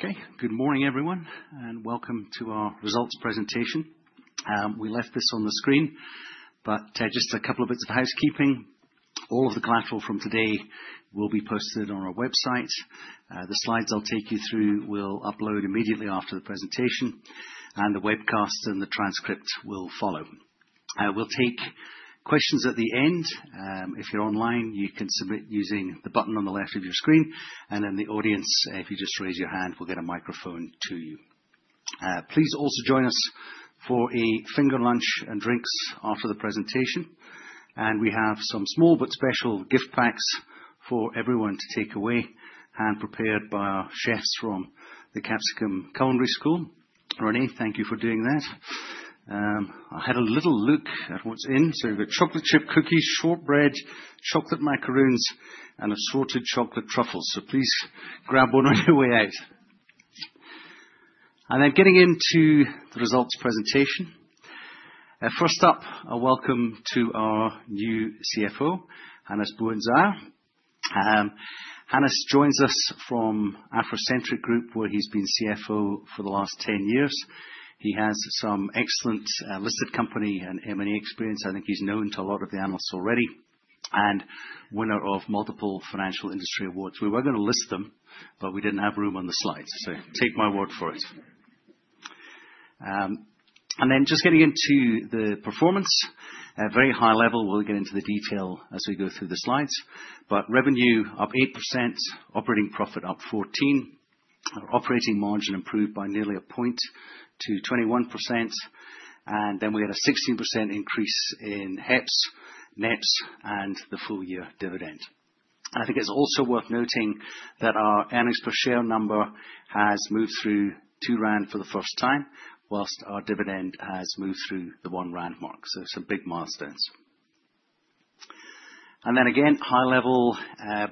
Okay. Good morning, everyone, and welcome to our results presentation. We left this on the screen, but just a couple of bits of housekeeping. All of the collateral from today will be posted on our website. The slides I'll take you through will upload immediately after the presentation, and the webcast and the transcript will follow. We'll take questions at the end. If you're online, you can submit using the button on the left of your screen, and then the audience, if you just raise your hand, we'll get a microphone to you. Please also join us for a finger lunch and drinks after the presentation. We have some small but special gift bags for everyone to take away, hand prepared by our chefs from the Capsicum Culinary Studio. Ronnie, thank you for doing that. I had a little look at what's in. We've got chocolate chip cookies, shortbread, chocolate macaroons, and assorted chocolate truffles. Please grab one on your way out. Getting into the results presentation. First up, a welcome to our new CFO, Hannes Boonzaaier. Hannes joins us from AfroCentric Group, where he's been CFO for the last 10 years. He has some excellent listed company and M&A experience. I think he's known to a lot of the analysts already, and winner of multiple financial industry awards. We were gonna list them, but we didn't have room on the slides, so take my word for it. Just getting into the performance at very high level. We'll get into the detail as we go through the slides. Revenue up 8%, operating profit up 14. Our operating margin improved by nearly a point to 21%. We had a 16% increase in HEPS, NEPS, and the full year dividend. I think it's also worth noting that our earnings per share number has moved through 2 rand for the first time, whilst our dividend has moved through the 1 rand mark. Some big milestones. High level,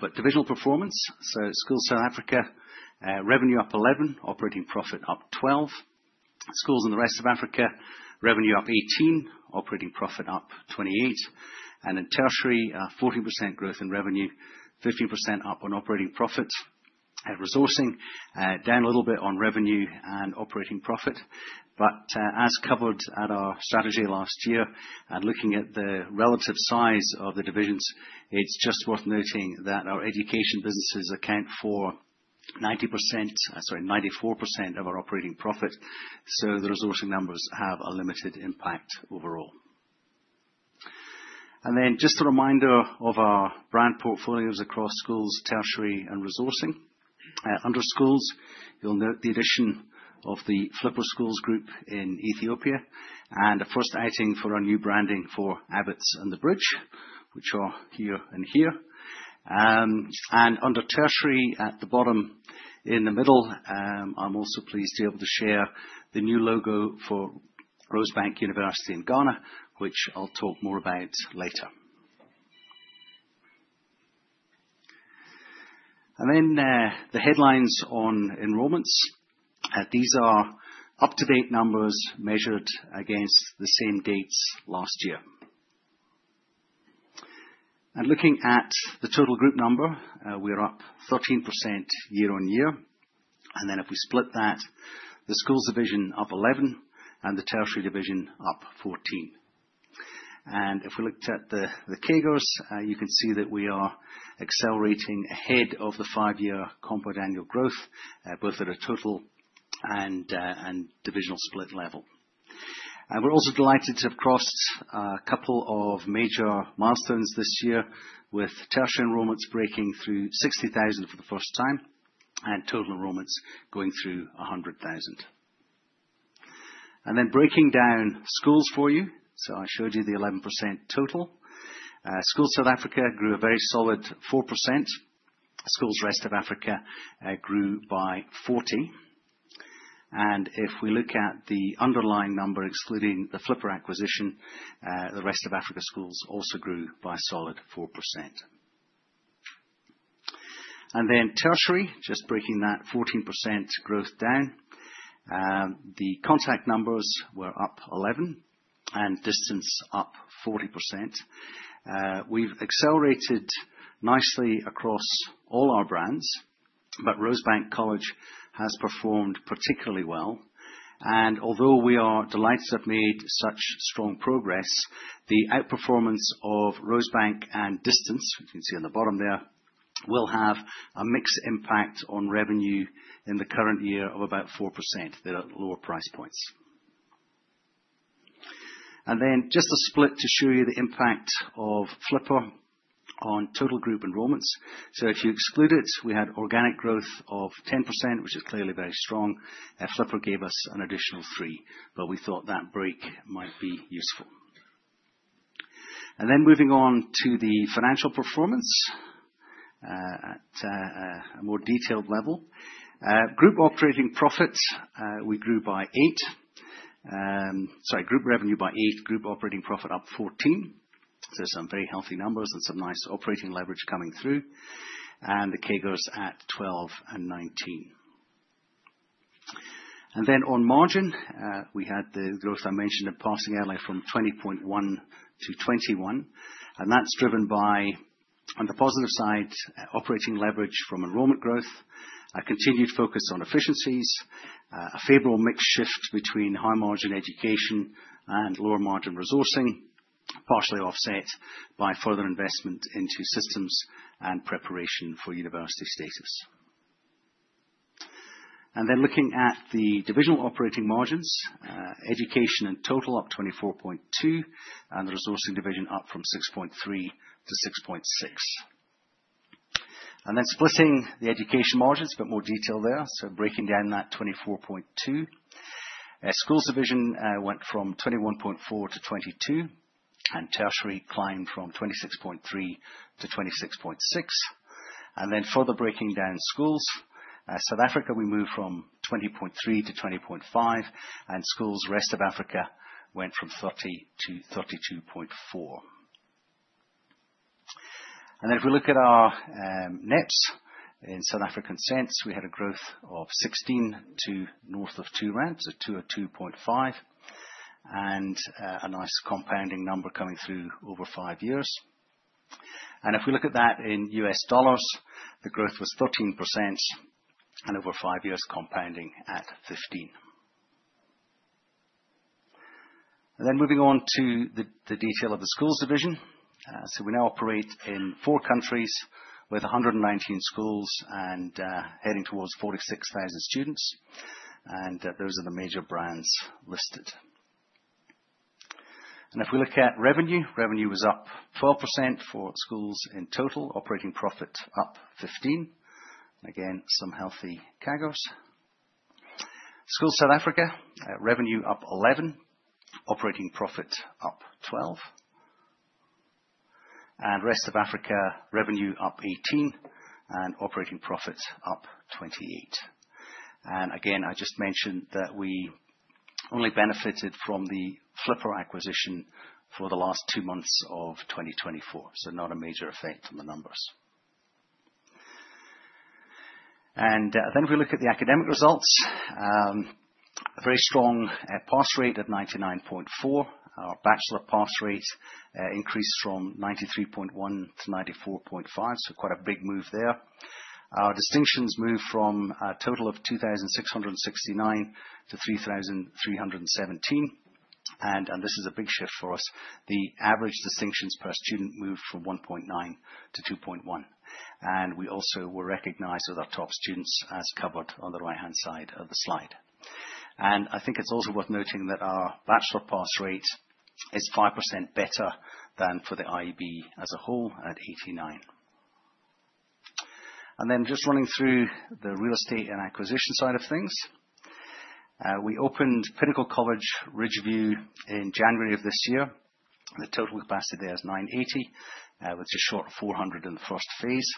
but divisional performance. Schools South Africa, revenue up 11%, operating profit up 12%. Schools in the rest of Africa, revenue up 18%, operating profit up 28%. In tertiary, 14% growth in revenue, 15% up on operating profit. At resourcing, down a little bit on revenue and operating profit. As covered at our strategy last year, and looking at the relative size of the divisions, it's just worth noting that our education businesses account for 90%, sorry, 94% of our operating profit. The resourcing numbers have a limited impact overall. Just a reminder of our brand portfolios across schools, tertiary, and resourcing. Under schools, you'll note the addition of the Flipper International School group in Ethiopia, and a first outing for our new branding for Abbotts and The Bridge, which are here and here. Under tertiary at the bottom in the middle, I'm also pleased to be able to share the new logo for Rosebank University in Ghana, which I'll talk more about later. The headlines on enrollments. These are up-to-date numbers measured against the same dates last year. Looking at the total group number, we're up 13% year on year. Then if we split that, the schools division up 11% and the tertiary division up 14%. If we looked at the CAGRs, you can see that we are accelerating ahead of the five-year compound annual growth, both at a total and divisional split level. We're also delighted to have crossed a couple of major milestones this year with tertiary enrollments breaking through 60,000 for the first time and total enrollments going through 100,000. Then breaking down schools for you. I showed you the 11% total. School South Africa grew a very solid 4%. Schools rest of Africa grew by 40%. If we look at the underlying number, excluding the Flipper acquisition, the rest of Africa schools also grew by a solid 4%. Then tertiary, just breaking that 14% growth down. The contact numbers were up 11% and distance up 40%. We've accelerated nicely across all our brands, but Rosebank College has performed particularly well. Although we are delighted to have made such strong progress, the outperformance of Rosebank and distance, which you can see on the bottom there, will have a mixed impact on revenue in the current year of about 4%. They're at lower price points. Then just a split to show you the impact of Flipper on total group enrollments. If you exclude it, we had organic growth of 10%, which is clearly very strong. Flipper gave us an additional 3, but we thought that break might be useful. Moving on to the financial performance at a more detailed level. Group operating profits we grew by 8%. Sorry, group revenue by 8%, group operating profit up 14%. Some very healthy numbers and some nice operating leverage coming through. The CAGRs at 12% and 19%. On margin, we had the margin expansion I mentioned from 20.1% to 21%. That's driven by, on the positive side, operating leverage from enrollment growth, a continued focus on efficiencies, a favorable mix shift between high margin education and lower margin resourcing, partially offset by further investment into systems and preparation for university status. Looking at the divisional operating margins, education in total up 24.2%, and the resourcing division up from 6.3% to 6.6%. Splitting the education margins, a bit more detail there. Breaking down that 24.2%. Schools division went from 21.4% to 22%, and tertiary climbed from 26.3% to 26.6%. Further breaking down schools, South Africa, we moved from 20.3% to 20.5%, and schools rest of Africa went from 30% to 32.4%. If we look at our NEPS in South African cents, we had a growth of 16 to north of 2 rand, so to a 2.5. A nice compounding number coming through over 5 years. If we look at that in U.S. dollars, the growth was 13%, and over five years compounding at 15%. Moving on to the detail of the schools division. We now operate in four countries with 119 schools and heading towards 46,000 students. Those are the major brands listed. If we look at revenue was up 4% for schools in total, operating profit up 15%. Again, some healthy CAGRs. Schools South Africa, revenue up 11%, operating profit up 12%. Rest of Africa, revenue up 18%, and operating profits up 28%. Again, I just mentioned that we only benefited from the Flipper acquisition for the last two months of 2024. Not a major effect on the numbers. We look at the academic results, a very strong pass rate at 99.4%. Our bachelor pass rate increased from 93.1% to 94.5%. Quite a big move there. Our distinctions moved from a total of 2,669 to 3,317. This is a big shift for us. The average distinctions per student moved from 1.9 to 2.1. We also were recognized with our top students as covered on the right-hand side of the slide. I think it's also worth noting that our bachelor pass rate is 5% better than for the IEB as a whole at 89%. Just running through the real estate and acquisition side of things. We opened Pinnacle College, Ridgeview in January of this year. The total capacity there is 980, which is short 400 in the first phase.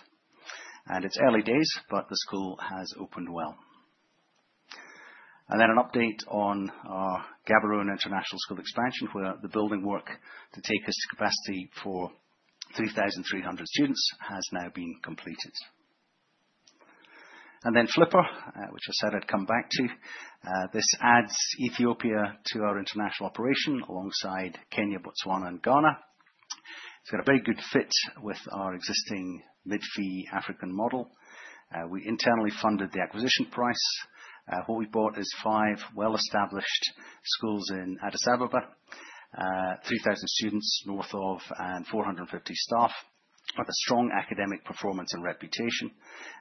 It's early days, but the school has opened well. An update on our Gaborone International School expansion, where the building work to take us to capacity for 3,300 students has now been completed. Flipper International School, which I said I'd come back to. This adds Ethiopia to our international operation alongside Kenya, Botswana, and Ghana. It's got a very good fit with our existing mid-fee African model. We internally funded the acquisition price. What we bought is five well-established schools in Addis Ababa. 3,000 students and 450 staff, with a strong academic performance and reputation,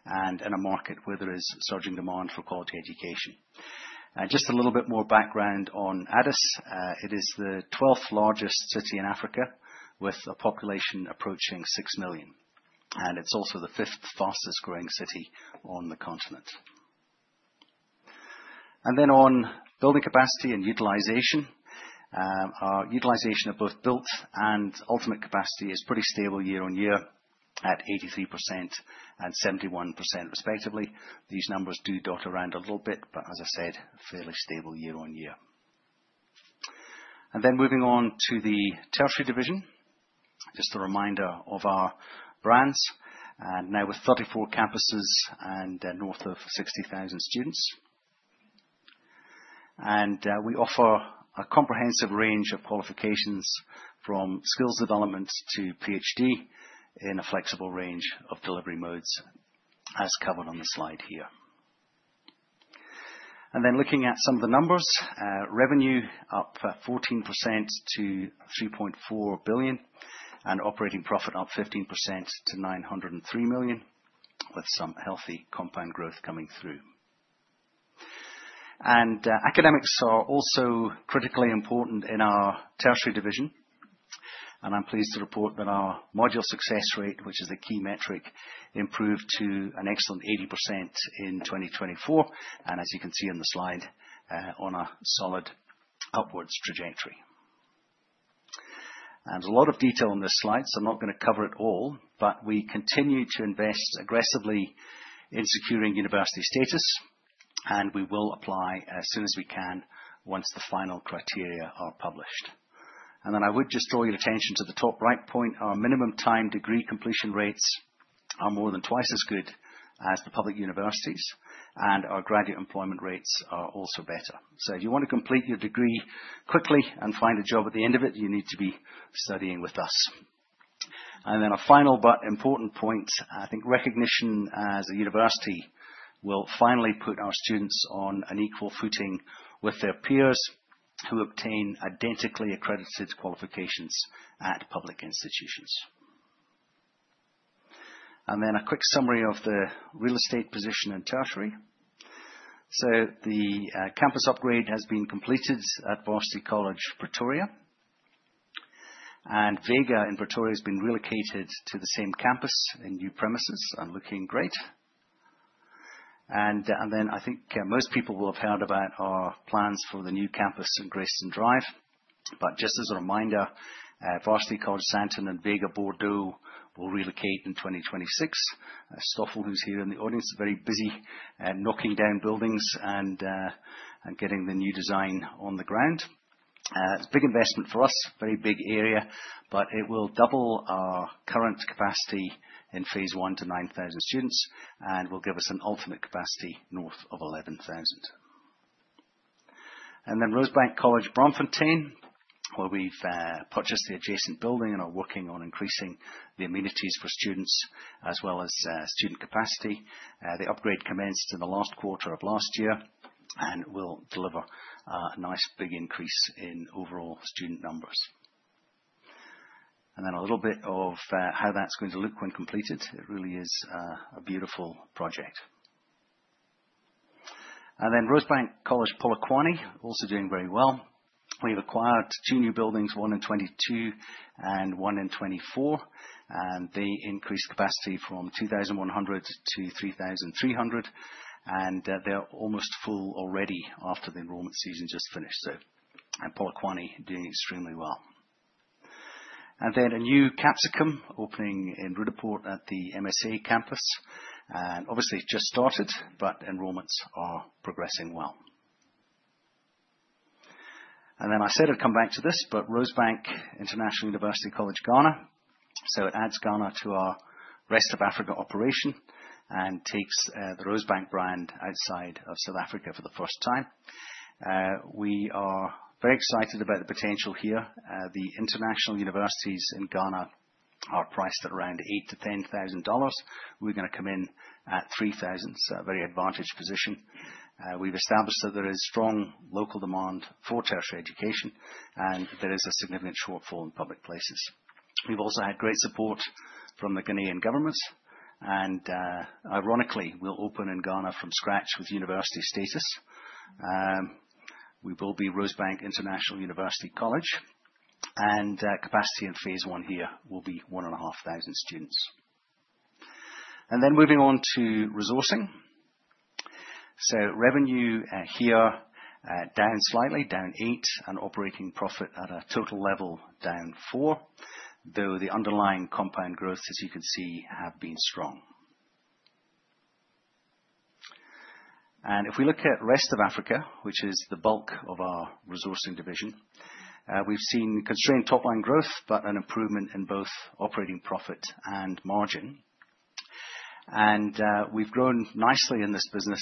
and in a market where there is surging demand for quality education. Just a little bit more background on Addis, it is the 12th largest city in Africa, with a population approaching 6 million. It's also the 5th fastest growing city on the continent. On building capacity and utilization. Our utilization of both built and ultimate capacity is pretty stable year-on-year at 83% and 71% respectively. These numbers do dart around a little bit, but as I said, fairly stable year-on-year. Moving on to the tertiary division. Just a reminder of our brands. Now with 34 campuses and north of 60,000 students. We offer a comprehensive range of qualifications from skills development to PhD in a flexible range of delivery modes, as covered on the slide here. Looking at some of the numbers, revenue up 14% to 3.4 billion, and operating profit up 15% to 903 million, with some healthy compound growth coming through. Academics are also critically important in our tertiary division, and I'm pleased to report that our module success rate, which is a key metric, improved to an excellent 80% in 2024. As you can see on the slide, on a solid upwards trajectory. A lot of detail on this slide, so I'm not gonna cover it all, but we continue to invest aggressively in securing university status, and we will apply as soon as we can once the final criteria are published. I would just draw your attention to the top right point. Our minimum time degree completion rates are more than twice as good as the public universities, and our graduate employment rates are also better. If you wanna complete your degree quickly and find a job at the end of it, you need to be studying with us. A final but important point, I think recognition as a university will finally put our students on an equal footing with their peers who obtain identically accredited qualifications at public institutions. A quick summary of the real estate position in tertiary. The campus upgrade has been completed at Varsity College, Pretoria. Vega in Pretoria has been relocated to the same campus in new premises and looking great. I think most people will have heard about our plans for the new campus in Grayston Drive. Just as a reminder, Varsity College Sandton and Vega Bordeaux will relocate in 2026. Stoffel, who's here in the audience, is very busy knocking down buildings and getting the new design on the ground. It's a big investment for us, very big area, but it will double our current capacity in phase one to 9,000 students and will give us an ultimate capacity north of 11,000. Rosebank College, Braamfontein, where we've purchased the adjacent building and are working on increasing the amenities for students as well as student capacity. The upgrade commenced in the last quarter of last year and will deliver a nice big increase in overall student numbers. A little bit of how that's going to look when completed. It really is a beautiful project. Rosebank College Polokwane also doing very well. We've acquired two new buildings, one in 2022 and one in 2024, and they increased capacity from 2,100 to 3,300. They are almost full already after the enrollment season just finished. Polokwane doing extremely well. A new Capsicum opening in Rustenburg at the MSA campus. Obviously, it's just started, but enrollments are progressing well. I said I'd come back to this, but Rosebank International University College, Ghana. It adds Ghana to our rest of Africa operation and takes the Rosebank brand outside of South Africa for the first time. We are very excited about the potential here. The international universities in Ghana are priced at around $8,000-$10,000. We're gonna come in at $3,000, so a very advantaged position. We've established that there is strong local demand for tertiary education, and there is a significant shortfall in public places. We've also had great support from the Ghanaian government. Ironically, we'll open in Ghana from scratch with university status. We will be Rosebank International University College. Capacity in phase one here will be 1,500 students. Moving on to resourcing. Revenue here down slightly, down 8%, and operating profit at a total level down 4%, though the underlying compound growth, as you can see, have been strong. If we look at rest of Africa, which is the bulk of our resourcing division, we've seen constrained top-line growth, but an improvement in both operating profit and margin. We've grown nicely in this business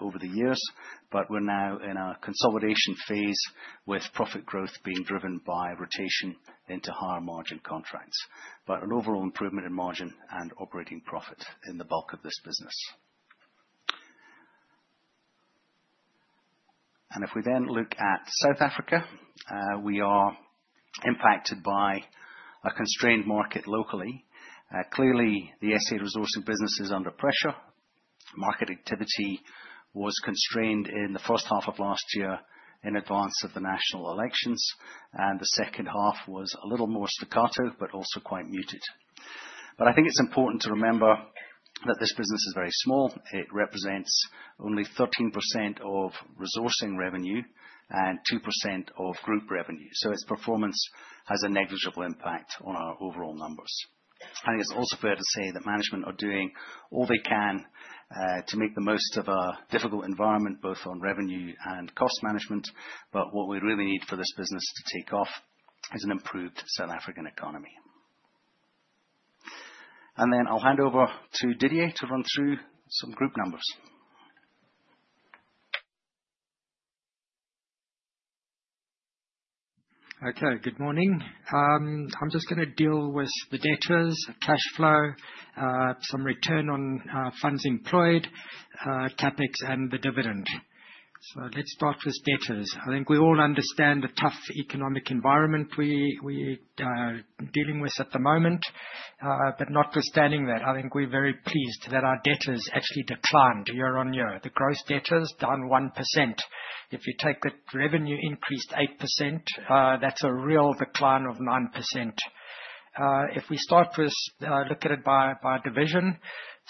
over the years, but we're now in a consolidation phase with profit growth being driven by rotation into higher margin contracts. An overall improvement in margin and operating profit in the bulk of this business. If we then look at South Africa, we are impacted by a constrained market locally. Clearly, the SA resourcing business is under pressure. Market activity was constrained in the first half of last year in advance of the national elections, and the second half was a little more staccato but also quite muted. I think it's important to remember that this business is very small. It represents only 13% of resourcing revenue and 2% of group revenue. Its performance has a negligible impact on our overall numbers. I think it's also fair to say that management are doing all they can to make the most of a difficult environment, both on revenue and cost management. What we really need for this business to take off is an improved South African economy. Then I'll hand over to Didier to run through some group numbers. Okay. Good morning. I'm just gonna deal with the debtors, cash flow, some return on funds employed, CapEx, and the dividend. Let's start with debtors. I think we all understand the tough economic environment we dealing with at the moment. But notwithstanding that, I think we're very pleased that our debtors actually declined year-on-year. The gross debt is down 1%. If you take the revenue increased 8%, that's a real decline of 9%. If we look at it by division,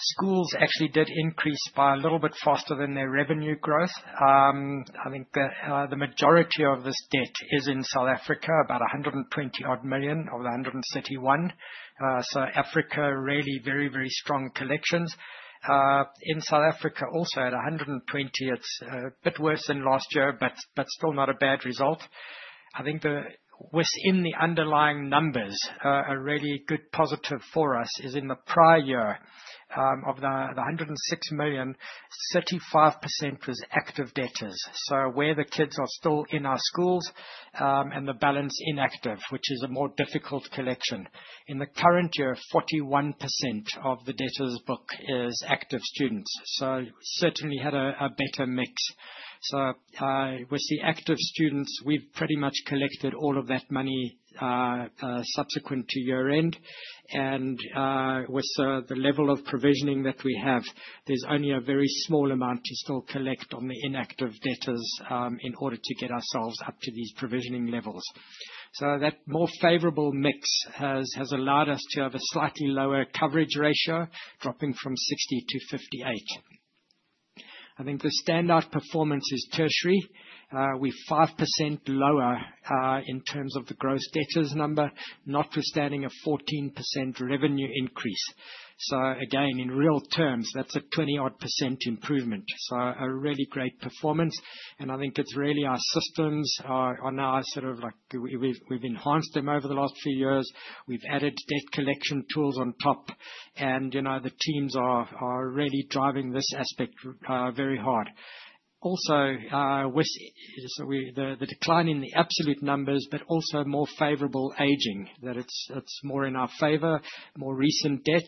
schools actually did increase by a little bit faster than their revenue growth. I think the majority of this debt is in South Africa, about 120-odd million of the 131 million. So Africa really very strong collections. In South Africa also at 120, it's a bit worse than last year, but still not a bad result. I think within the underlying numbers, a really good positive for us is in the prior year, of the 106 million, 35% was active debtors. Where the kids are still in our schools, and the balance inactive, which is a more difficult collection. In the current year, 41% of the debtors book is active students. Certainly had a better mix. With the active students, we've pretty much collected all of that money, subsequent to year-end. With the level of provisioning that we have, there's only a very small amount to still collect on the inactive debtors, in order to get ourselves up to these provisioning levels. That more favorable mix has allowed us to have a slightly lower coverage ratio, dropping from 60 to 58. I think the standout performance is tertiary. We're 5% lower in terms of the gross debtors number, notwithstanding a 14% revenue increase. Again, in real terms, that's a 20-odd% improvement. A really great performance, and I think it's really our systems are now sort of like we've enhanced them over the last few years. We've added debt collection tools on top, and you know, the teams are really driving this aspect very hard. Also, the decline in the absolute numbers, but also more favorable aging, that's more in our favor, more recent debt.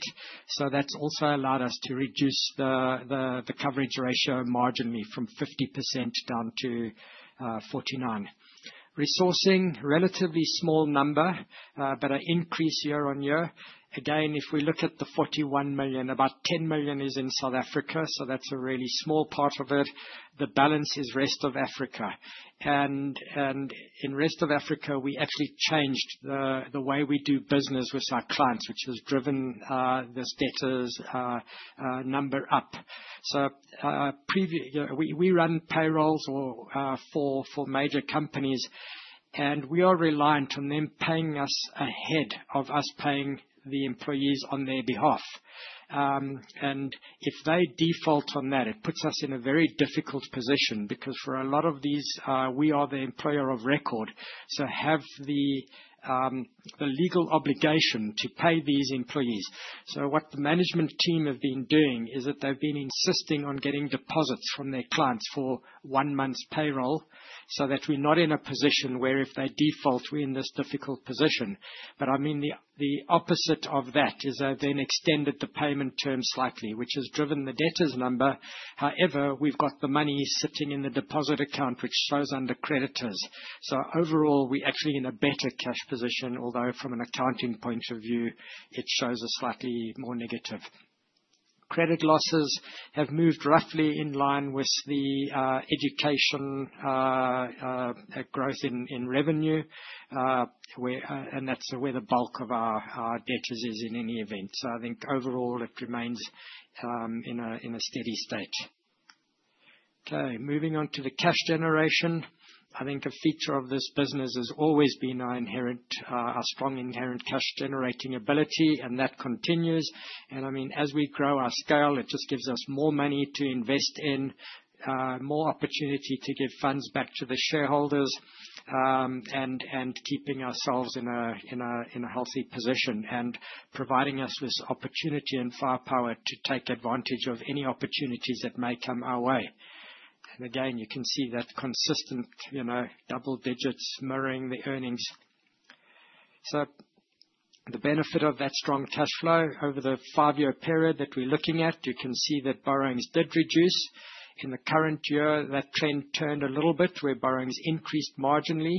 That's also allowed us to reduce the coverage ratio marginally from 50% down to 49%. Resourcing, relatively small number, but an increase year-on-year. Again, if we look at the 41 million, about 10 million is in South Africa, so that's a really small part of it. The balance is rest of Africa. In rest of Africa, we actually changed the way we do business with our clients, which has driven this debtors number up. We run payrolls for major companies, and we are reliant on them paying us ahead of us paying the employees on their behalf. If they default on that, it puts us in a very difficult position because for a lot of these, we are the employer of record, so have the legal obligation to pay these employees. What the management team have been doing is that they've been insisting on getting deposits from their clients for one month's payroll so that we're not in a position where if they default, we're in this difficult position. But I mean, the opposite of that is they've then extended the payment terms slightly, which has driven the debtors number. However, we've got the money sitting in the deposit account, which shows under creditors. Overall, we're actually in a better cash position, although from an accounting point of view, it shows a slightly more negative. Credit losses have moved roughly in line with the education growth in revenue, where and that's where the bulk of our debtors is in any event. I think overall it remains in a steady state. Okay, moving on to the cash generation. I think a feature of this business has always been our strong inherent cash generating ability, and that continues. I mean, as we grow our scale, it just gives us more money to invest in more opportunity to give funds back to the shareholders, and keeping ourselves in a healthy position and providing us with opportunity and firepower to take advantage of any opportunities that may come our way. Again, you can see that consistent, you know, double digits mirroring the earnings. The benefit of that strong cash flow over the five-year period that we're looking at, you can see that borrowings did reduce. In the current year, that trend turned a little bit where borrowings increased marginally.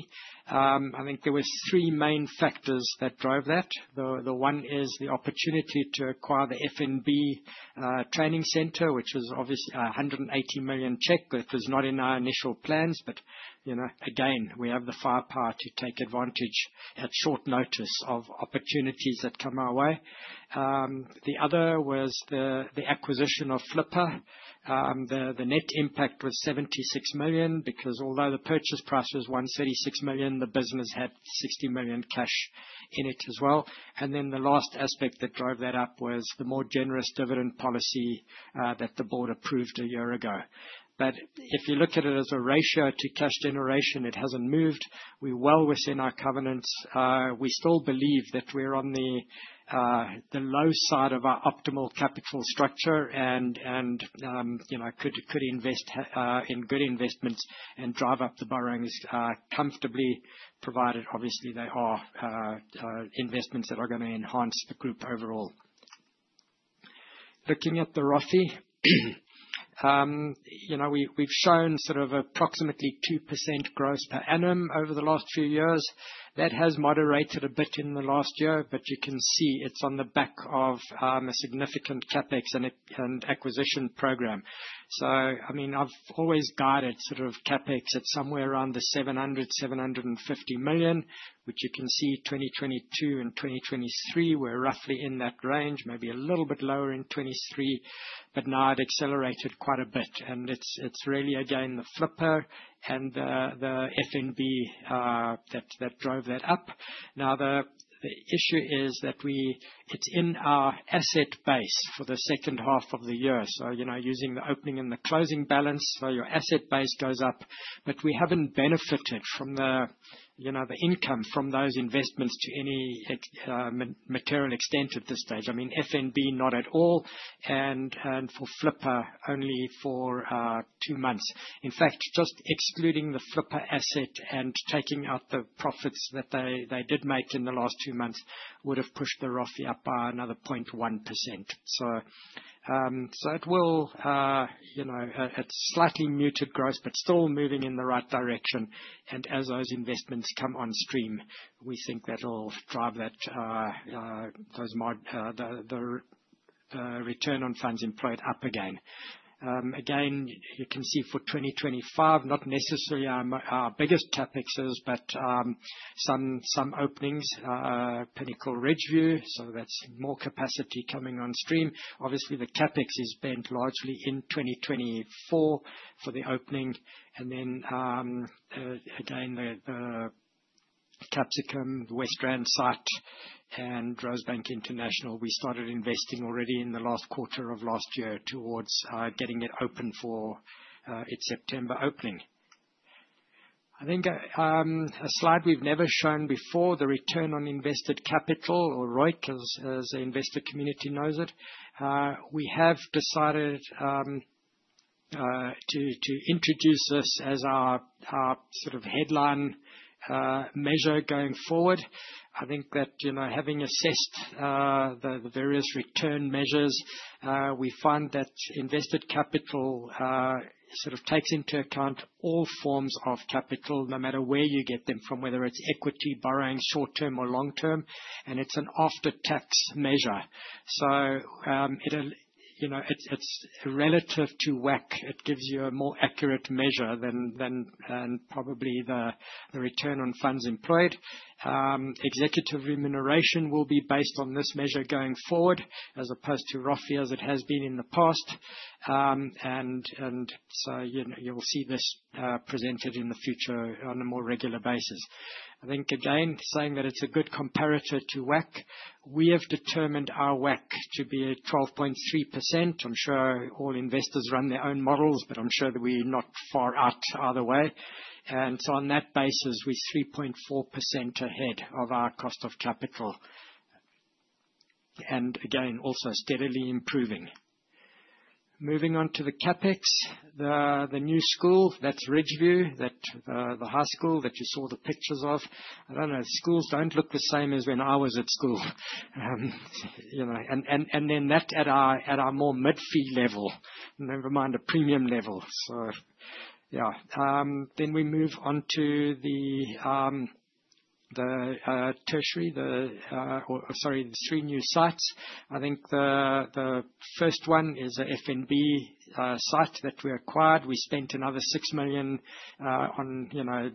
I think there were three main factors that drove that. The one is the opportunity to acquire the FNB training center, which was obviously 180 million. That was not in our initial plans, but you know, again, we have the firepower to take advantage at short notice of opportunities that come our way. The other was the acquisition of Flipper. The net impact was 76 million because although the purchase price was 136 million, the business had 60 million cash in it as well. Then the last aspect that drove that up was the more generous dividend policy that the board approved a year ago. If you look at it as a ratio to cash generation, it hasn't moved. We're well within our covenants. We still believe that we're on the low side of our optimal capital structure and you know could invest in good investments and drive up the borrowings comfortably, provided obviously they are investments that are gonna enhance the group overall. Looking at the ROFE, you know, we've shown sort of approximately 2% growth per annum over the last few years. That has moderated a bit in the last year, but you can see it's on the back of a significant CapEx and acquisition program. I mean, I've always guided sort of CapEx at somewhere around 700 million-750 million, which you can see 2022 and 2023 were roughly in that range. Maybe a little bit lower in 2023, but now it accelerated quite a bit. It's really again the Flipper and the FNB that drove that up. Now, the issue is that it's in our asset base for the second half of the year, so you know, using the opening and the closing balance. Your asset base goes up, but we haven't benefited from the income from those investments to any material extent at this stage. I mean, FNB not at all. And for Flipper only for 2 months. In fact, just excluding the Flipper asset and taking out the profits that they did make in the last two months would've pushed the ROFE up by another 0.1%. It will, you know, it's slightly muted growth, but still moving in the right direction. As those investments come on stream, we think that'll drive that, the return on funds employed up again. Again, you can see for 2025, not necessarily our biggest CapExes, but some openings, Pinnacle Ridgeview. That's more capacity coming on stream. Obviously, the CapEx is spent largely in 2024 for the opening. Then, again, the Capsicum, the West Rand site, and Rosebank International. We started investing already in the last quarter of last year towards getting it open for its September opening. I think a slide we've never shown before, the return on invested capital or ROIC as the investor community knows it. We have decided to introduce this as our sort of headline measure going forward. I think that, you know, having assessed the various return measures, we find that invested capital sort of takes into account all forms of capital no matter where you get them from, whether it's equity, borrowing short-term or long-term, and it's an after-tax measure. It'll. You know, it's relative to WACC. It gives you a more accurate measure than probably the return on funds employed. Executive remuneration will be based on this measure going forward, as opposed to ROFE as it has been in the past. You know, you'll see this presented in the future on a more regular basis. I think again, saying that it's a good comparator to WACC. We have determined our WACC to be at 12.3%. I'm sure all investors run their own models, but I'm sure that we're not far out either way. On that basis, we're 3.4% ahead of our cost of capital. Again, also steadily improving. Moving on to the CapEx. The new school, that's Ridgeview, the high school that you saw the pictures of. I don't know. Schools don't look the same as when I was at school. you know that at our more mid-fee level, never mind the premium level. Yeah. We move on to the three new sites. I think the first one is a FNB site that we acquired. We spent another 6 million on, you know,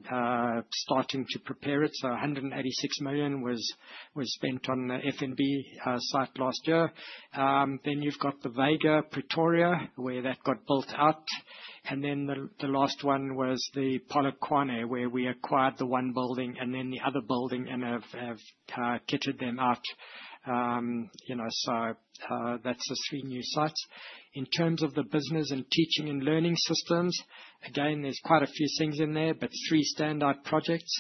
starting to prepare it. 186 million was spent on the FNB site last year. You've got the Vega Pretoria, where that got built out. The last one was the Polokwane, where we acquired the one building and then the other building and have kitted them out. That's the three new sites. In terms of the business and teaching and learning systems, again, there's quite a few things in there, but three standout projects.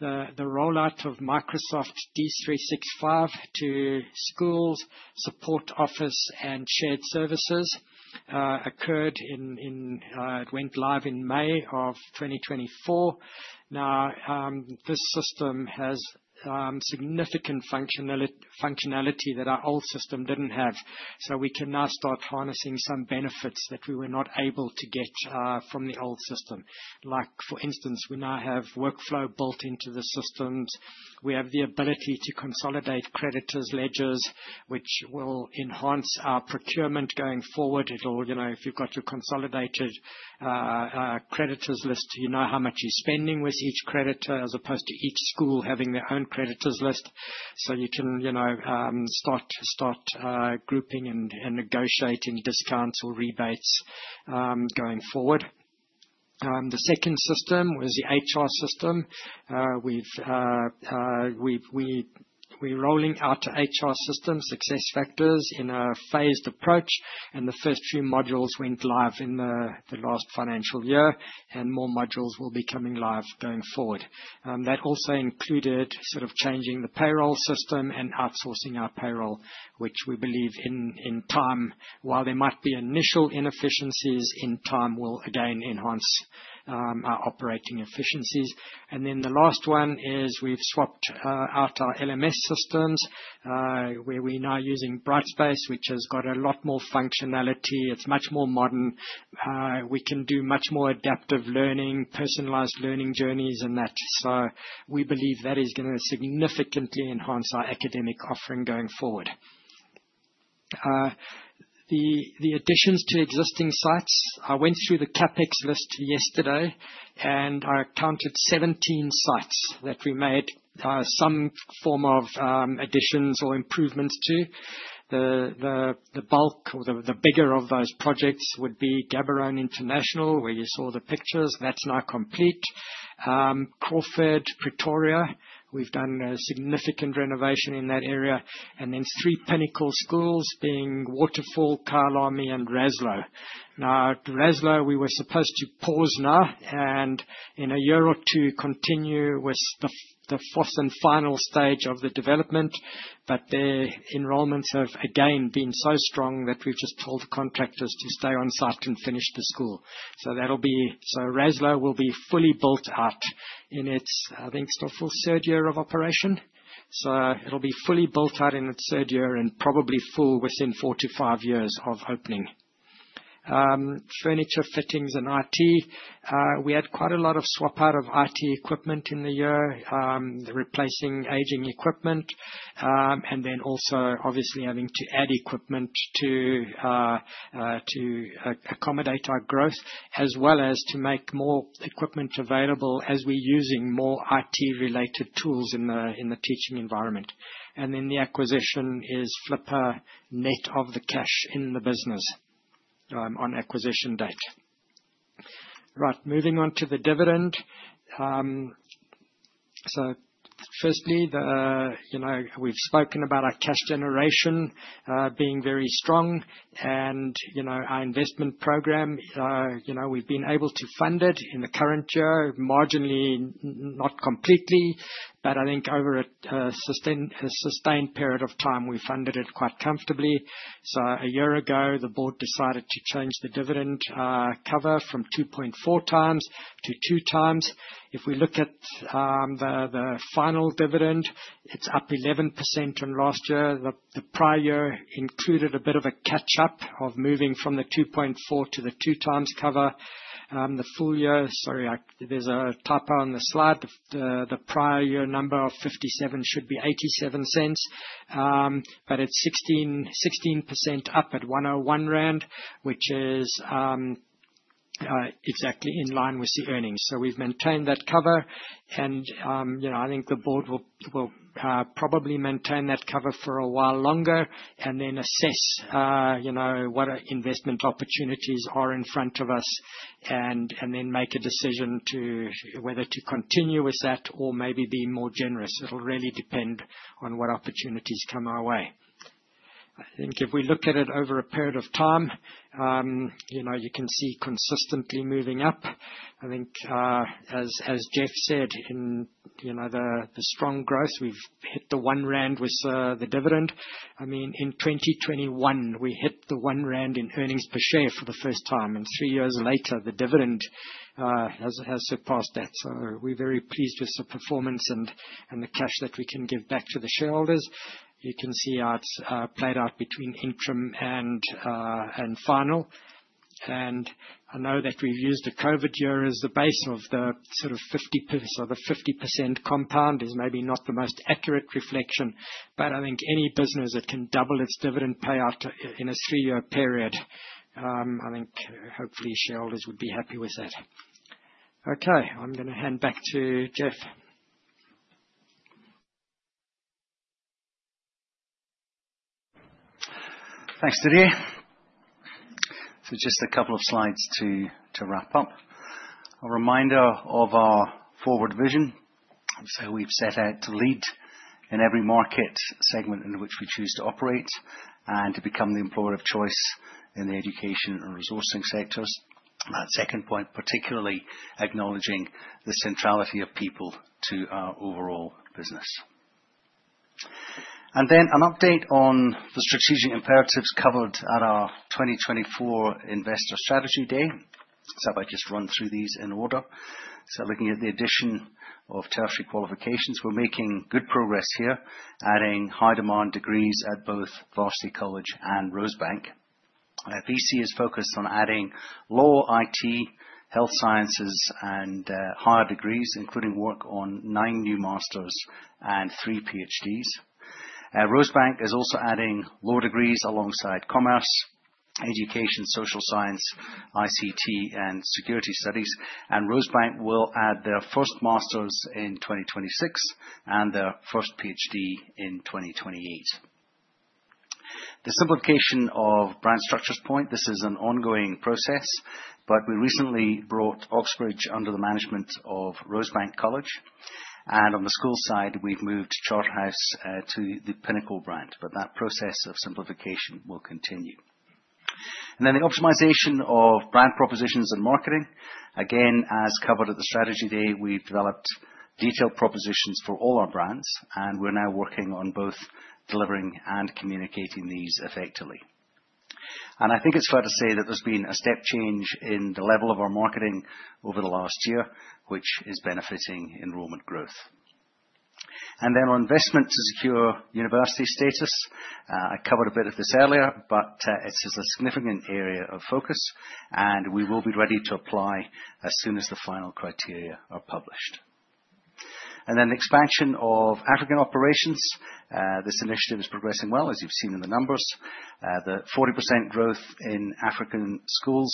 The rollout of Microsoft D365 to schools, support office and shared services. It went live in May 2024. Now, this system has significant functionality that our old system didn't have. So we can now start harnessing some benefits that we were not able to get from the old system. Like for instance, we now have workflow built into the systems. We have the ability to consolidate creditors' ledgers, which will enhance our procurement going forward. You know, if you've got your consolidated creditors list, you know how much you're spending with each creditor as opposed to each school having their own creditors list. You can, you know, start grouping and negotiating discounts or rebates, going forward. The second system was the HR system. We're rolling out HR systems SuccessFactors in a phased approach, and the first few modules went live in the last financial year, and more modules will be coming live going forward. That also included sort of changing the payroll system and outsourcing our payroll, which we believe in time, while there might be initial inefficiencies, in time will again enhance our operating efficiencies. Then the last one is we've swapped out our LMS systems, where we're now using Brightspace, which has got a lot more functionality. It's much more modern. We can do much more adaptive learning, personalized learning journeys and that. We believe that is gonna significantly enhance our academic offering going forward. The additions to existing sites. I went through the CapEx list yesterday, and I counted 17 sites that we made some form of additions or improvements to. The bulk or the bigger of those projects would be Gaborone International, where you saw the pictures. That's now complete. Crawford, Pretoria, we've done a significant renovation in that area. Then three Pinnacle schools being Waterfall, Kyalami, and Raslouw. Now, at Raslouw, we were supposed to pause now and in a year or two continue with the fourth and final stage of the development, but their enrollments have again been so strong that we've just told contractors to stay on site and finish the school. That'll be. Raslouw will be fully built out in its, I think it's their full third year of operation. It'll be fully built out in its third year and probably full within 4-5 years of opening. Furniture, fittings, and IT. We had quite a lot of swap out of IT equipment in the year. Replacing aging equipment, and then also obviously having to add equipment to accommodate our growth as well as to make more equipment available as we're using more IT-related tools in the teaching environment. The acquisition is Flipper net of the cash in the business, on acquisition date. Right. Moving on to the dividend. Firstly, the, you know, we've spoken about our cash generation, being very strong and, you know, our investment program. You know, we've been able to fund it in the current year, marginally, not completely, but I think over a sustained period of time, we funded it quite comfortably. A year ago, the board decided to change the dividend cover from 2.4 times to 2 times. If we look at the final dividend, it's up 11% on last year. The prior year included a bit of a catch-up of moving from the 2.4 to the 2 times cover. The full year. Sorry, there's a typo on the slide. The prior year number of 57 should be 0.87. But it's 16% up at 1.01 rand, which is exactly in line with the earnings. We've maintained that cover and, you know, I think the board will probably maintain that cover for a while longer and then assess, you know, what investment opportunities are in front of us and then make a decision to whether to continue with that or maybe be more generous. It'll really depend on what opportunities come our way. I think if we look at it over a period of time, you know, you can see consistently moving up. I think, as Jeff said in, you know, the strong growth, we've hit 1 rand with the dividend. I mean, in 2021, we hit 1 rand in earnings per share for the first time. Three years later, the dividend has surpassed that. We're very pleased with the performance and the cash that we can give back to the shareholders. You can see how it's played out between interim and final. I know that we've used the COVID year as the base. The 50% compound is maybe not the most accurate reflection, but I think any business that can double its dividend payout in a three-year period, I think hopefully shareholders would be happy with that. Okay. I'm gonna hand back to Geoff. Thanks, Didier. Just a couple of slides to wrap up. A reminder of our forward vision. We've set out to lead in every market segment in which we choose to operate and to become the employer of choice in the education and resourcing sectors. That second point, particularly acknowledging the centrality of people to our overall business. Then an update on the strategic imperatives covered at our 2024 investor strategy day. If I just run through these in order. Looking at the addition of tertiary qualifications, we're making good progress here, adding high-demand degrees at both Varsity College and Rosebank. VC is focused on adding law, IT, health sciences, and higher degrees, including work on 9 new masters and 3 PhDs. Rosebank is also adding law degrees alongside commerce, education, social science, ICT, and security studies. Rosebank will add their first master's in 2026 and their first PhD in 2028. The simplification of brand structures point. This is an ongoing process, but we recently brought Oxbridge under the management of Rosebank College. On the school side, we've moved Charterhouse to the Pinnacle brand, but that process of simplification will continue. The optimization of brand propositions and marketing. Again, as covered at the strategy day, we've developed detailed propositions for all our brands, and we're now working on both delivering and communicating these effectively. I think it's fair to say that there's been a step change in the level of our marketing over the last year, which is benefiting enrollment growth. On investment to secure university status. I covered a bit of this earlier, but it is a significant area of focus, and we will be ready to apply as soon as the final criteria are published. Expansion of African operations. This initiative is progressing well, as you've seen in the numbers. The 40% growth in African schools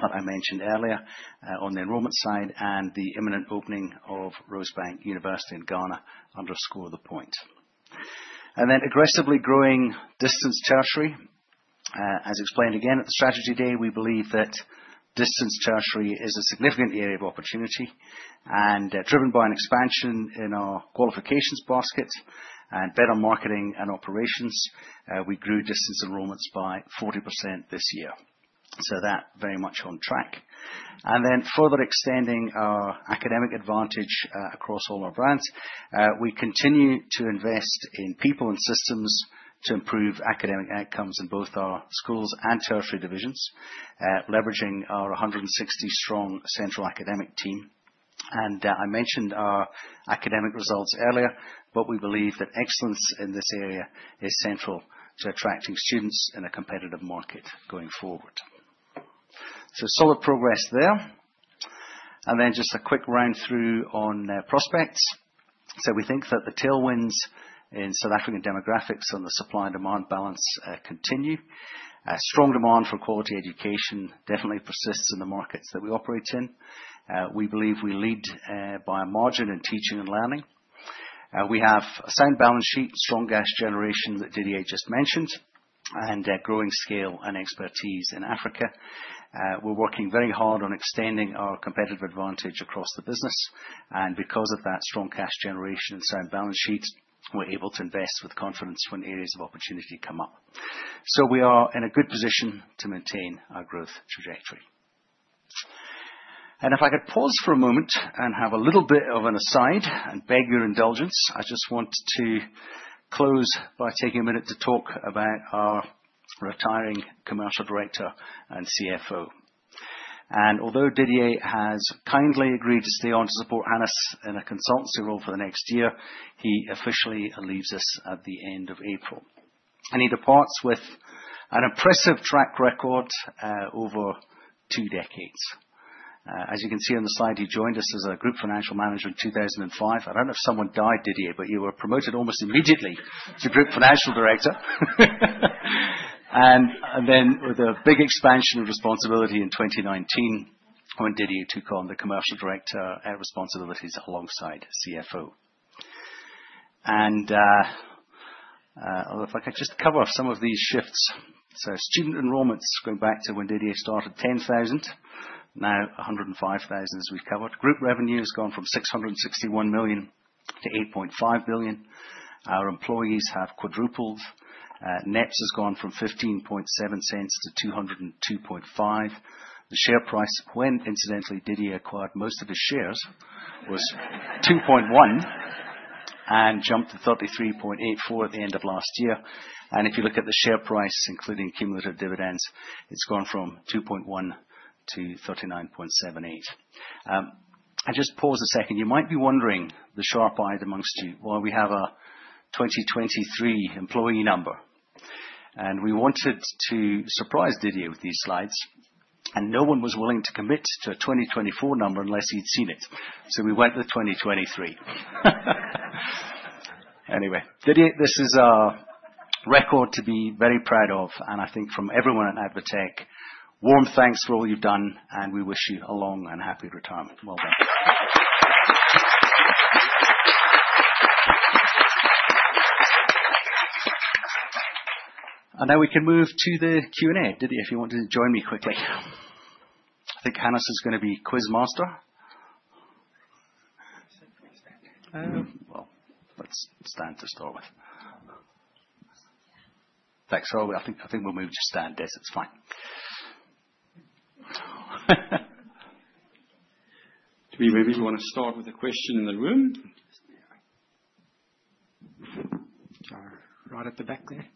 that I mentioned earlier, on the enrollment side and the imminent opening of Rosebank University in Ghana underscore the point. Aggressively growing distance tertiary. As explained again at the strategy day, we believe that distance tertiary is a significant area of opportunity, and driven by an expansion in our qualifications basket and better marketing and operations, we grew distance enrollments by 40% this year. That very much on track. Further extending our academic advantage, across all our brands. We continue to invest in people and systems to improve academic outcomes in both our schools and tertiary divisions, leveraging our 160-strong central academic team. I mentioned our academic results earlier, but we believe that excellence in this area is central to attracting students in a competitive market going forward. Solid progress there. Just a quick run through on prospects. We think that the tailwinds in South African demographics on the supply and demand balance continue. A strong demand for quality education definitely persists in the markets that we operate in. We believe we lead by a margin in teaching and learning. We have a sound balance sheet, strong cash generation that Didier just mentioned, and a growing scale and expertise in Africa. We're working very hard on extending our competitive advantage across the business, and because of that strong cash generation and sound balance sheet, we're able to invest with confidence when areas of opportunity come up. We are in a good position to maintain our growth trajectory. If I could pause for a moment and have a little bit of an aside and beg your indulgence. I just want to close by taking a minute to talk about our retiring commercial director and CFO. Although Didier has kindly agreed to stay on to support Hannes in a consultancy role for the next year, he officially leaves us at the end of April. He departs with an impressive track record over two decades. As you can see on the slide, he joined us as a group financial manager in 2005. I don't know if someone died, Didier, but you were promoted almost immediately to group financial director. Then with a big expansion of responsibility in 2019 when Didier took on the commercial director responsibilities alongside CFO. If I could just cover some of these shifts. Student enrollments going back to when Didier started, 10,000, now 105,000 as we've covered. Group revenue has gone from 661 million to 8.5 billion. Our employees have quadrupled. NEPS has gone from 15.7 cents to 202.5. The share price when incidentally Didier acquired most of his shares was 2.1 and jumped to 33.84 at the end of last year. If you look at the share price, including cumulative dividends, it's gone from 2.1 to 39.78. I just pause a second. You might be wondering, the sharp-eyed amongst you, why we have a 2023 employee number. We wanted to surprise Didier with these slides, and no one was willing to commit to a 2024 number unless he'd seen it. We went with 2023. Anyway, Didier, this is a record to be very proud of, and I think from everyone at ADvTECH, warm thanks for all you've done, and we wish you a long and happy retirement. Well done. Now we can move to the Q&A. Didier, if you want to join me quickly. I think Hannes is gonna be quiz master. Let's start with. Thanks. I think we'll move to Q&A. It's fine. Maybe we wanna start with a question in the room. Right at the back there.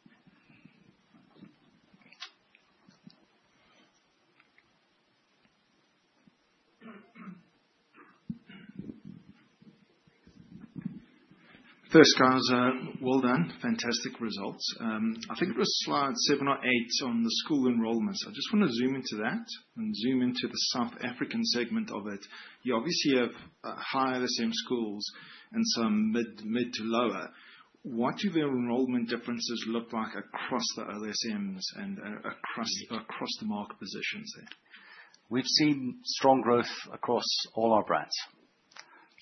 First guys, well done. Fantastic results. I think it was slide 7 or 8 on the school enrollments. I just wanna zoom into that and zoom into the South African segment of it. You obviously have high LSM schools and some mid to lower. What do their enrollment differences look like across the LSMs and across the market positions then? We've seen strong growth across all our brands,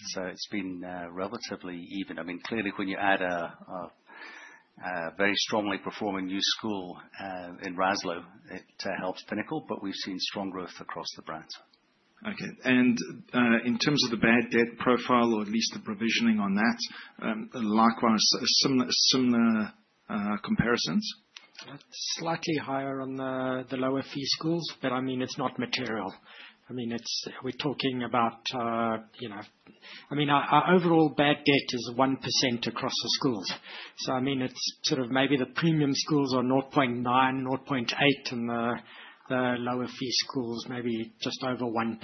so it's been relatively even. I mean, clearly, when you add a very strongly performing new school in Raslouw, it helps Pinnacle, but we've seen strong growth across the brands. Okay. In terms of the bad debt profile, or at least the provisioning on that, likewise, similar comparisons? Slightly higher on the lower fee schools, but I mean, it's not material. I mean, we're talking about, you know. I mean, our overall bad debt is 1% across the schools. So I mean, it's sort of maybe the premium schools are 0.9%, 0.8%, and the lower fee schools maybe just over 1%.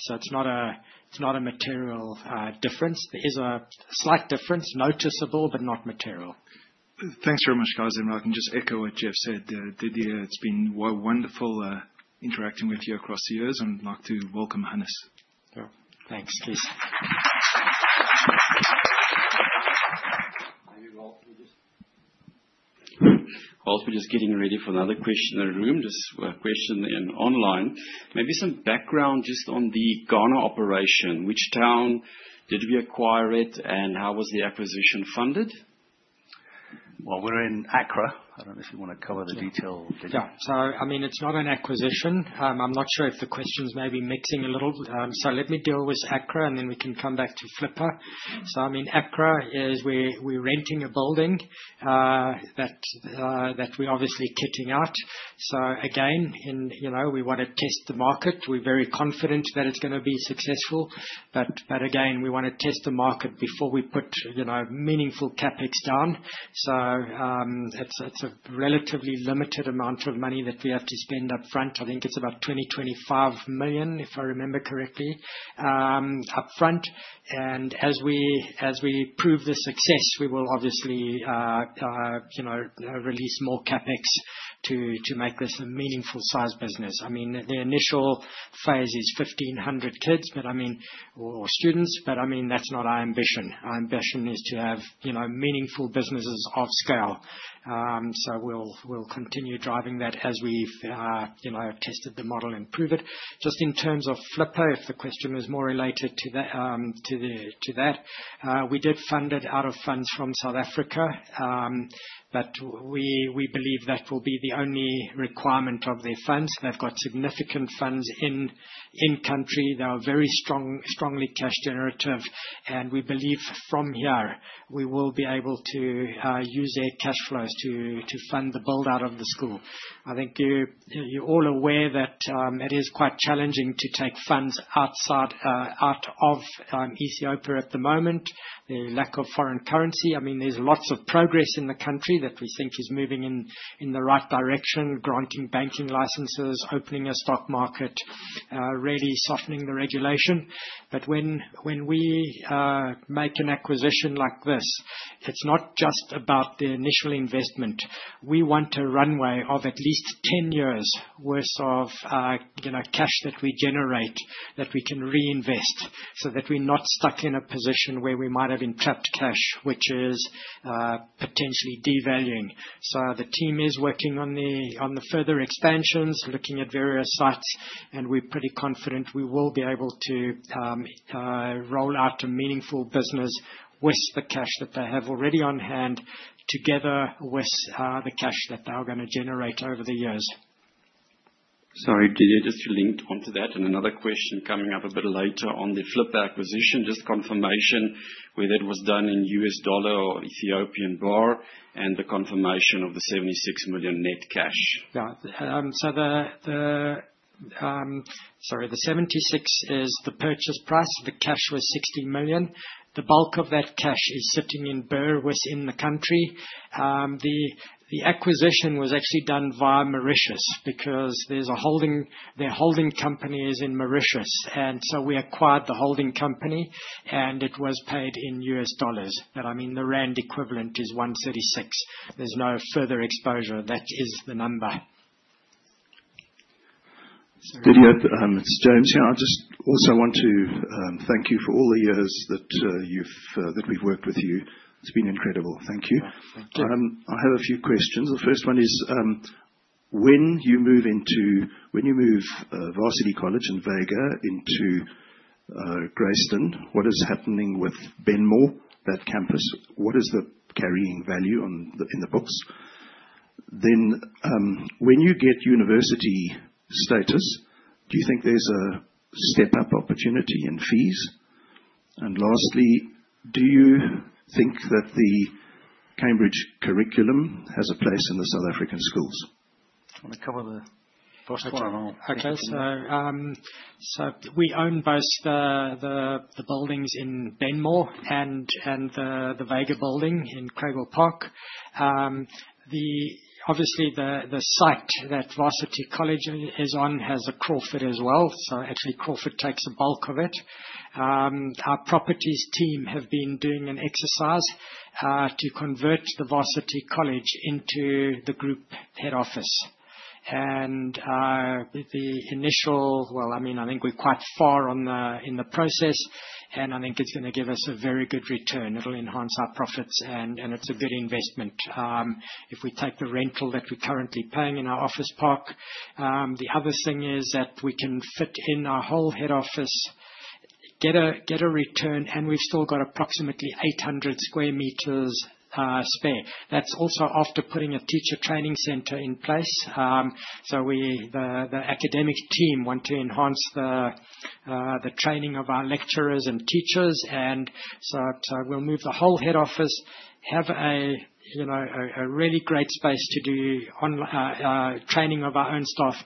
So it's not a material difference. There is a slight difference. Noticeable, but not material. Thanks very much, guys. I can just echo what Geoff said. Didier, it's been wonderful interacting with you across the years, and I'd like to welcome Hannes. Sure. Thanks. Please. While we're just getting ready for another question in the room, just a question online. Maybe some background just on the Ghana operation. Which town did we acquire it, and how was the acquisition funded? Well, we're in Accra. I don't know if you wanna cover the detail, Didier. Yeah. I mean, it's not an acquisition. I'm not sure if the question's maybe mixing a little. Let me deal with Accra, and then we can come back to Flipper. I mean, Accra is where we're renting a building that we're obviously kitting out. Again, you know, we wanna test the market. We're very confident that it's gonna be successful. But again, we wanna test the market before we put, you know, meaningful CapEx down. It's a relatively limited amount of money that we have to spend up front. I think it's about 20 million-25 million, if I remember correctly, up front. As we prove the success, we will obviously, you know, release more CapEx to make this a meaningful size business. I mean, the initial phase is 1,500 students. That's not our ambition. Our ambition is to have, you know, meaningful businesses of scale. We'll continue driving that as we've, you know, tested the model and prove it. Just in terms of Flipper, if the question is more related to that. We did fund it out of funds from South Africa. We believe that will be the only requirement of their funds. They've got significant funds in country. They are very strong, strongly cash generative, and we believe from here, we will be able to use their cash flows to fund the build-out of the school. I think you're all aware that it is quite challenging to take funds out of Ethiopia at the moment. The lack of foreign currency. I mean, there's lots of progress in the country that we think is moving in the right direction, granting banking licenses, opening a stock market, really softening the regulation. When we make an acquisition like this, it's not just about the initial investment. We want a runway of at least 10 years worth of, you know, cash that we generate, that we can reinvest, so that we're not stuck in a position where we might have been trapped cash, which is potentially devaluing. The team is working on the further expansions, looking at various sites, and we're pretty confident we will be able to roll out a meaningful business with the cash that they have already on hand, together with the cash that they are gonna generate over the years. Sorry, Didier. Just to link onto that and another question coming up a bit later on the Flipper acquisition. Just confirmation whether it was done in U.S. dollar or Ethiopian birr and the confirmation of the 76 million net cash. The 76 is the purchase price. The cash was $60 million. The bulk of that cash is sitting in birr within the country. The acquisition was actually done via Mauritius because their holding company is in Mauritius. We acquired the holding company, and it was paid in US dollars. I mean, the rand equivalent is 136. There's no further exposure. That is the number. Didier, it's James here. I just also want to thank you for all the years that we've worked with you. It's been incredible. Thank you. Yeah. Thank you. I have a few questions. The first one is, when you move Varsity College in Vega into Grayston, what is happening with Benmore, that campus? What is the carrying value in the books? Then, when you get university status, do you think there's a step-up opportunity in fees? And lastly, do you think that the Cambridge curriculum has a place in the South African schools? Wanna cover the first one or We own both the buildings in Benmore and the Vega building in Craighall Park. Obviously, the site that Varsity College is on has a Crawford as well. Actually, Crawford takes a bulk of it. Our properties team have been doing an exercise to convert the Varsity College into the group head office. Well, I mean, I think we're quite far in the process, and I think it's gonna give us a very good return. It will enhance our profits, and it's a good investment. If we take the rental that we're currently paying in our office park. The other thing is that we can fit in our whole head office, get a return, and we've still got approximately 800 square meters spare. That's also after putting a teacher training center in place. We, the academic team want to enhance the training of our lecturers and teachers. We'll move the whole head office, have a you know really great space to do training of our own staff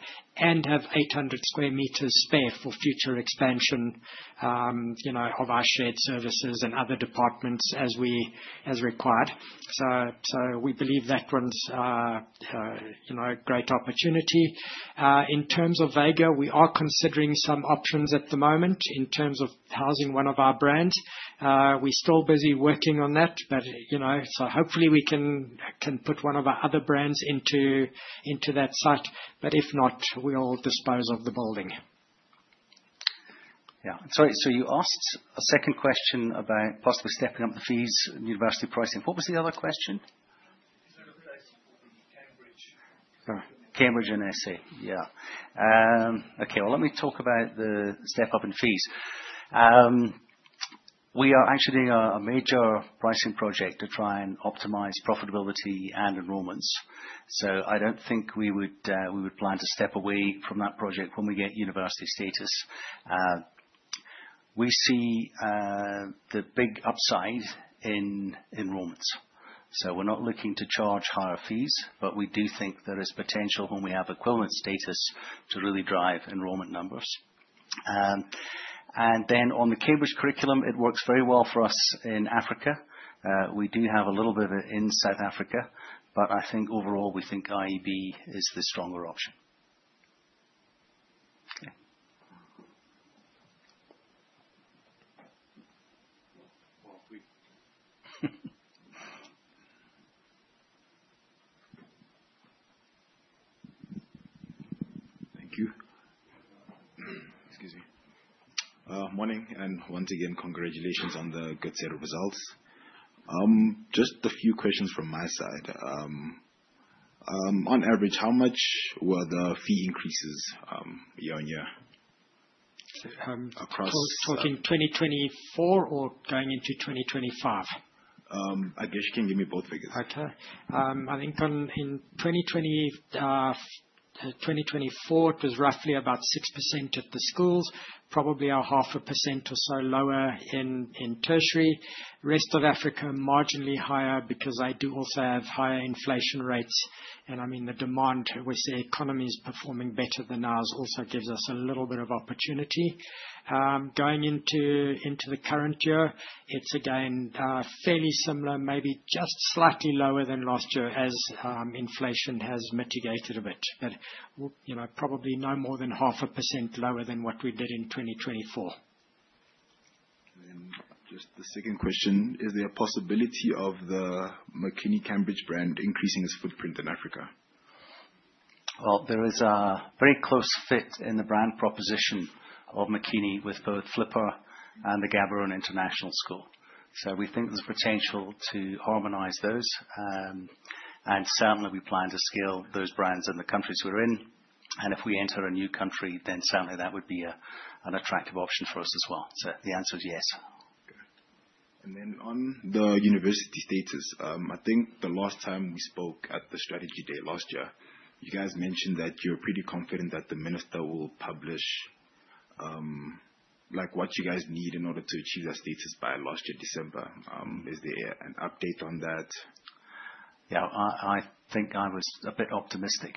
and have 800 square meters spare for future expansion, you know of our shared services and other departments as required. We believe that one's a great opportunity. In terms of Vega, we are considering some options at the moment in terms of housing one of our brands. We're still busy working on that, but you know. Hopefully we can put one of our other brands into that site. If not, we'll dispose of the building. Yeah. Sorry, you asked a second question about possibly stepping up the fees and university pricing. What was the other question? Is there a place for the Cambridge? Cambridge and SA, yeah. Okay, well, let me talk about the step up in fees. We are actually a major pricing project to try and optimize profitability and enrollments. I don't think we would plan to step away from that project when we get university status. We see the big upside in enrollments. We're not looking to charge higher fees, but we do think there is potential when we have equivalent status to really drive enrollment numbers. On the Cambridge curriculum, it works very well for us in Africa. We do have a little bit of it in South Africa, but I think overall we think IEB is the stronger option. Okay. Well, thank you. Excuse me. Morning, and once again, congratulations on the good set of results. Just a few questions from my side. On average, how much were the fee increases year-on-year? Across- Talking 2024 or going into 2025? I guess you can give me both figures. Okay. I think in 2024, it was roughly about 6% at the schools, probably a half a percent or so lower in tertiary. Rest of Africa, marginally higher because they do also have higher inflation rates. I mean, the demand with their economies performing better than ours also gives us a little bit of opportunity. Going into the current year, it's again fairly similar, maybe just slightly lower than last year as inflation has mitigated a bit. You know, probably no more than half a percent lower than what we did in 2024. Just the second question, is there a possibility of the Makini Cambridge brand increasing its footprint in Africa? Well, there is a very close fit in the brand proposition of Makini with both Flipper and the Gaborone International School. We think there's potential to harmonize those. Certainly we plan to scale those brands in the countries we're in. If we enter a new country, then certainly that would be an attractive option for us as well. The answer is yes. Okay. On the university status, I think the last time we spoke at the strategy day last year, you guys mentioned that you're pretty confident that the minister will publish, like, what you guys need in order to achieve that status by last year, December. Is there an update on that? Yeah. I think I was a bit optimistic.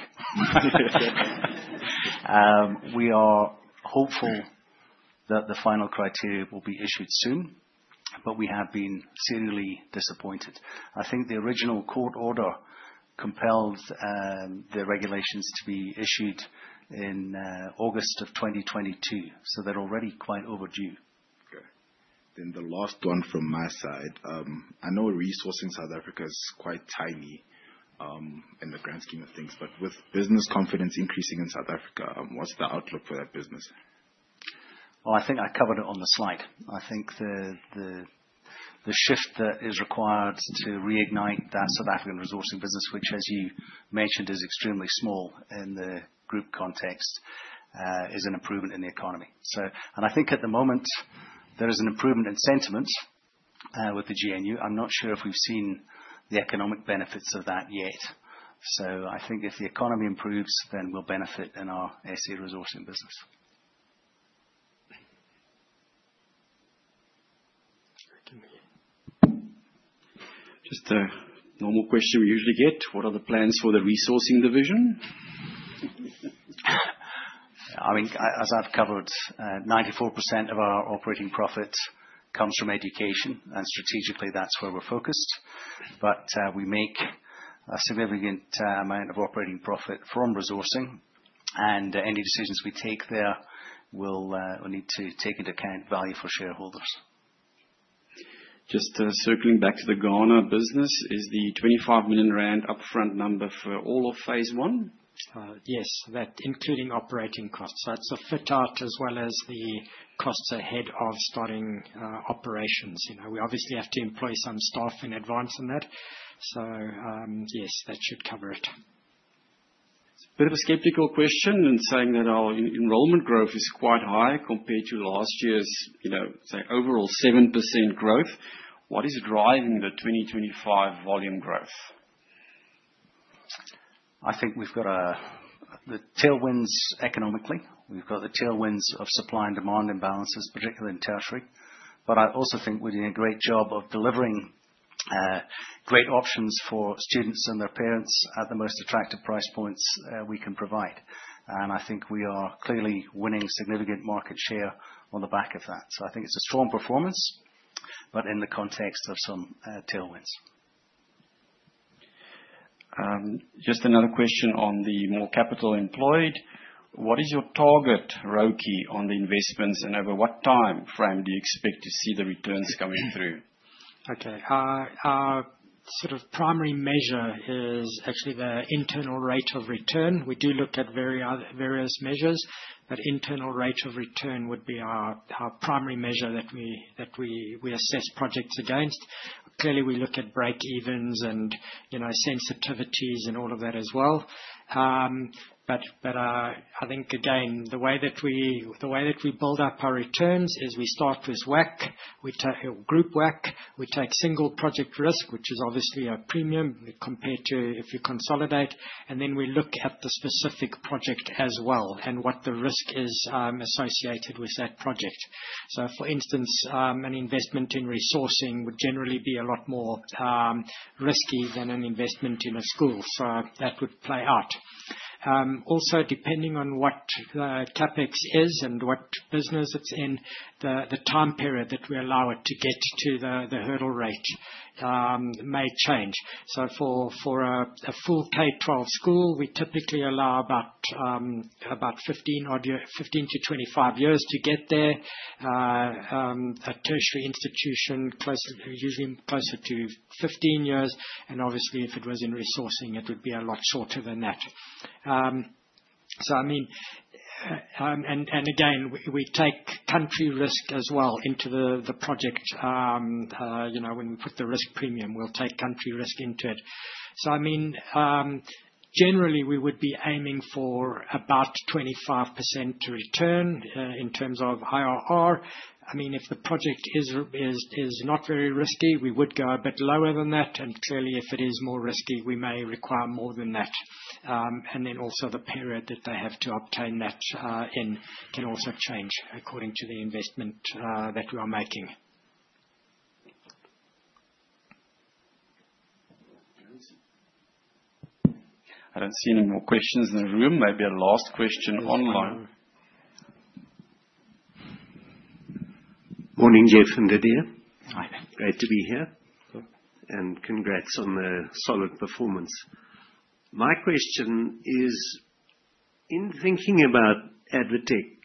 We are hopeful that the final criteria will be issued soon, but we have been serially disappointed. I think the original court order compelled the regulations to be issued in August of 2022, so they're already quite overdue. Okay. The last one from my side. I know Resourcing South Africa is quite tiny, in the grand scheme of things, but with business confidence increasing in South Africa, what's the outlook for that business? Well, I think I covered it on the slide. I think the shift that is required to reignite that South African resourcing business, which as you mentioned, is extremely small in the group context, is an improvement in the economy. I think at the moment, there is an improvement in sentiment with the GNU. I'm not sure if we've seen the economic benefits of that yet. I think if the economy improves, then we'll benefit in our SA resourcing business. Thank you. Just a normal question we usually get. What are the plans for the resourcing division? I mean, as I've covered, 94% of our operating profit comes from education, and strategically, that's where we're focused. We make a significant amount of operating profit from resourcing, and any decisions we take there will need to take into account value for shareholders. Just, circling back to the Ghana business. Is the 25 million rand upfront number for all of phase one? Yes. That, including operating costs. That's a fit out as well as the costs ahead of starting operations. You know, we obviously have to employ some staff in advance on that. Yes, that should cover it. It's a bit of a skeptical question in saying that our enrollment growth is quite high compared to last year's, you know, say, overall 7% growth. What is driving the 2025 volume growth? I think we've got the tailwinds economically. We've got the tailwinds of supply and demand imbalances, particularly in tertiary. I also think we're doing a great job of delivering great options for students and their parents at the most attractive price points we can provide. I think we are clearly winning significant market share on the back of that. I think it's a strong performance, but in the context of some tailwinds. Just another question on the more capital employed. What is your target ROIC on the investments and over what time frame do you expect to see the returns coming through? Okay. Our sort of primary measure is actually the internal rate of return. We do look at various measures, but internal rate of return would be our primary measure that we assess projects against. Clearly, we look at breakevens and, you know, sensitivities and all of that as well. I think again, the way that we build up our returns is we start with WACC. We take a group WACC, we take single project risk, which is obviously a premium compared to if you consolidate, and then we look at the specific project as well and what the risk is associated with that project. For instance, an investment in resourcing would generally be a lot more risky than an investment in a school. That would play out. Also depending on what CapEx is and what business it's in, the time period that we allow it to get to the hurdle rate may change. For a full K-12 school, we typically allow about 15-25 years to get there. A tertiary institution closer, usually closer to 15 years, and obviously if it was in resourcing, it would be a lot shorter than that. Again, we take country risk as well into the project. You know, when we put the risk premium, we'll take country risk into it. Generally we would be aiming for about 25% return in terms of IRR. I mean, if the project is not very risky, we would go a bit lower than that. Clearly if it is more risky, we may require more than that. Then also the period that they have to obtain that income can also change according to the investment that we are making. I don't see any more questions in the room. Maybe a last question online. Morning, Geoff and Didier. Hi there. Great to be here. Sure. Congrats on a solid performance. My question is, in thinking about ADvTECH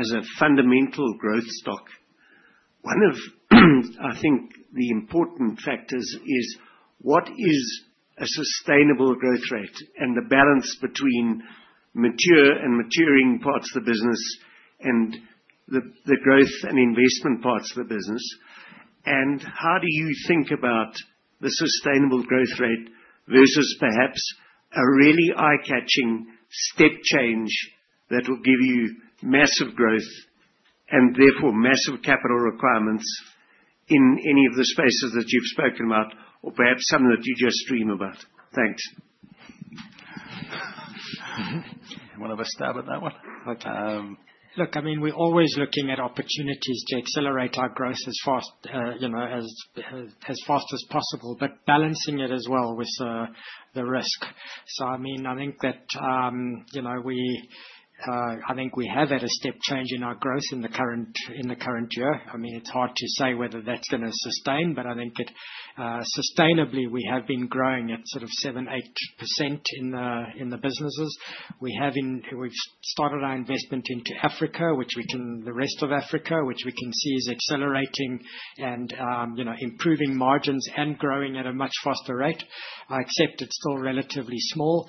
as a fundamental growth stock, one of, I think, the important factors is what is a sustainable growth rate and the balance between mature and maturing parts of the business and the growth and investment parts of the business? How do you think about the sustainable growth rate versus perhaps a really eye-catching step change that will give you massive growth and therefore massive capital requirements in any of the spaces that you've spoken about or perhaps some that you just dream about? Thanks. One of us start with that one? Okay. Look, I mean, we're always looking at opportunities to accelerate our growth as fast as possible, but balancing it as well with the risk. I mean, I think we have had a step change in our growth in the current year. It's hard to say whether that's gonna sustain, but I think, sustainably we have been growing at sort of 7%-8% in the businesses. We've started our investment into Africa, the rest of Africa, which we can see is accelerating and, you know, improving margins and growing at a much faster rate. I accept it's still relatively small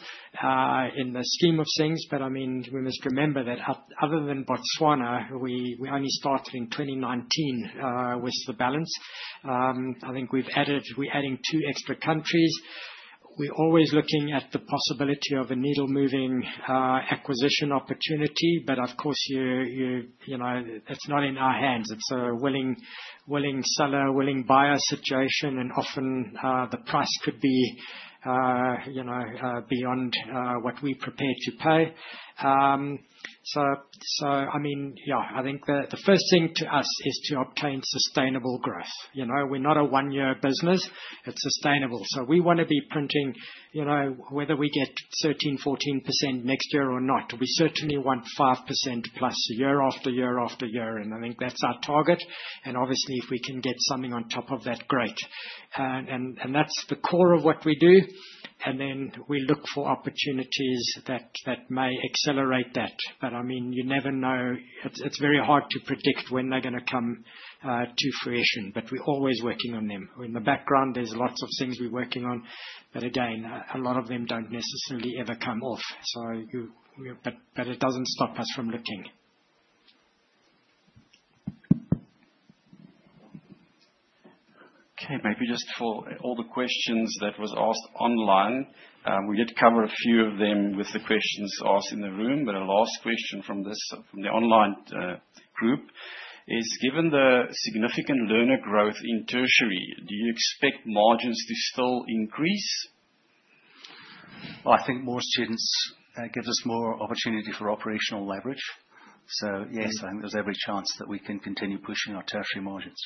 in the scheme of things, but I mean, we must remember that other than Botswana, we only started in 2019 with the balance. I think we're adding two extra countries. We're always looking at the possibility of a needle-moving acquisition opportunity. Of course you know, it's not in our hands. It's a willing seller, willing buyer situation, and often the price could be, you know, beyond what we're prepared to pay. I mean, yeah, I think the first thing to us is to obtain sustainable growth. You know, we're not a one-year business. It's sustainable. We wanna be printing, you know, whether we get 13%, 14% next year or not. We certainly want 5% plus year after year after year. I think that's our target, and obviously if we can get something on top of that, great. That's the core of what we do. Then we look for opportunities that may accelerate that. I mean, you never know. It's very hard to predict when they're gonna come to fruition. We're always working on them. In the background, there's lots of things we're working on. Again, a lot of them don't necessarily ever come off. It doesn't stop us from looking. Okay, maybe just for all the questions that was asked online, we did cover a few of them with the questions asked in the room. Our last question from the online group is: Given the significant learner growth in tertiary, do you expect margins to still increase? I think more students gives us more opportunity for operational leverage. Yes, I think there's every chance that we can continue pushing our tertiary margins.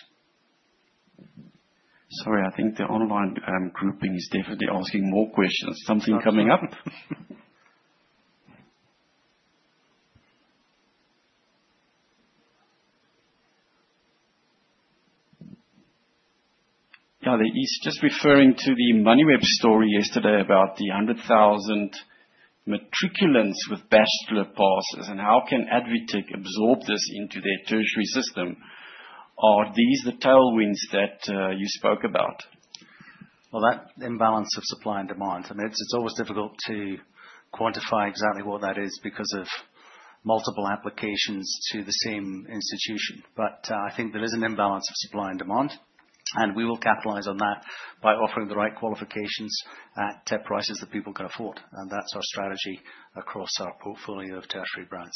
Sorry, I think the online grouping is definitely asking more questions. Something coming up. Yeah. He's just referring to the Moneyweb story yesterday about the 100,000 matriculants with bachelor passes, and how can ADvTECH absorb this into their tertiary system? Are these the tailwinds that you spoke about? Well, that imbalance of supply and demand. I mean, it's always difficult to quantify exactly what that is because of multiple applications to the same institution. I think there is an imbalance of supply and demand, and we will capitalize on that by offering the right qualifications at prices that people can afford. That's our strategy across our portfolio of tertiary brands.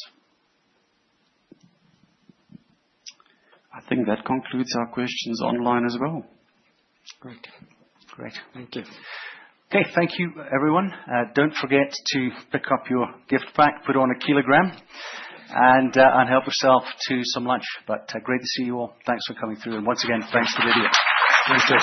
I think that concludes our questions online as well. Great. Thank you. Okay. Thank you, everyone. Don't forget to pick up your gift pack. Put on a kilogram. Help yourself to some lunch. Great to see you all. Thanks for coming through. Once again, thanks to Didier. Thanks, Geoff.